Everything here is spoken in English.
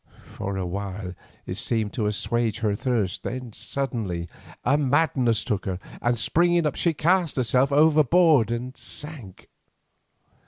For a while it seemed to assuage her thirst, then suddenly a madness took her, and springing up she cast herself overboard and sank.